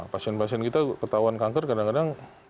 pasien pasien kita ketahuan kanker kadang kadang